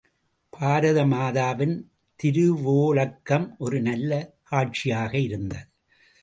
பாரதமாதாவின் திருவோலக்கம் ஒரு நல்ல காட்சியாக இருந்தது.